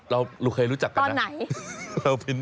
เราเคยรู้จักกันตอนไหน